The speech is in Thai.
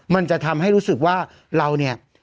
มันจะทำให้รู้สึกว่าเราเนี่ย